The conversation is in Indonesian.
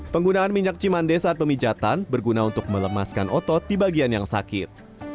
penggunaan minyak cimande saat pemijatan berguna untuk melemaskan otot di bagian yang sakit